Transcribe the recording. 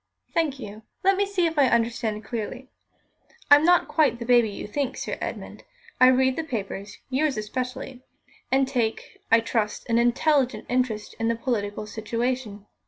"Thank you. Let me see if I understand clearly. I'm not quite the baby you think, Sir Edmund. I read the papers yours especially and take, I trust, an intelligent interest in the political situation.